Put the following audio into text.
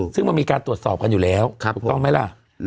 ซึ่งมันมีการตรวจสอบกันอยู่แล้วถูกต้องไหมล่ะ